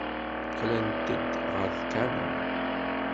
Qqlent-d ɣer tkanna.